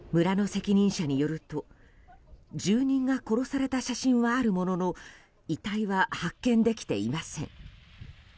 村の責任者によると住人が殺された写真はあるものの遺体は発見できていません。